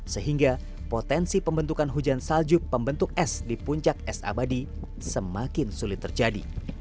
sehingga potensi pembentukan hujan salju pembentuk es di puncak es abadi semakin sulit terjadi